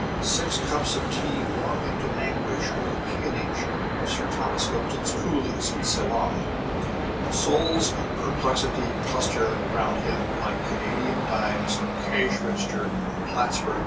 Six cups of tea warm him to anguish over the peonage of Sir Thomas Lipton's coolies in Ceylon. Souls in perplexity cluster round him like Canadian dimes in a cash register in Plattsburgh, N.